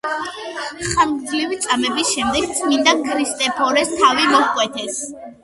ხანგრძლივი წამების შემდეგ წმინდა ქრისტეფორეს თავი მოჰკვეთეს.